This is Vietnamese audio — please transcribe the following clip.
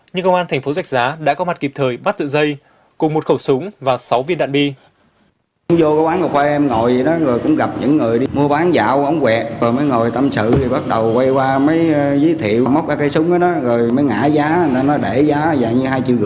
nhưng công an thành phố rạch giá đã có mặt kịp thời bắt giữ dây cùng một khẩu súng và sáu viên đạn bi